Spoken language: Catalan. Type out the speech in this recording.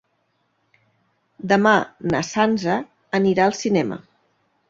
Demà na Sança anirà al cinema.